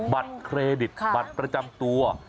บัตรเครดิตบัตรประจำตัว